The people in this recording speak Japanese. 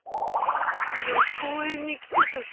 昨日公園に来たとき。